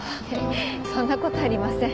そんな事ありません。